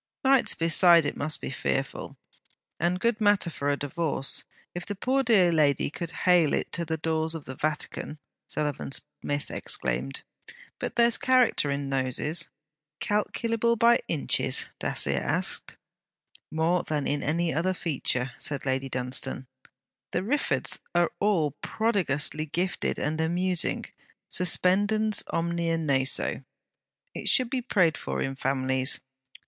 'Nights beside it must be fearful, and good matter for a divorce, if the poor dear lady could hale it to the doors of the Vatican!' Sullivan Smith exclaimed. 'But there's character in noses.' 'Calculable by inches?' Dacier asked. 'More than in any other feature,' said Lady Dunstane. 'The Riffords are all prodigiously gifted and amusing: suspendens omnia naso. It should be prayed for in families.'